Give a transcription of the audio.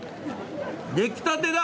出来たてだ。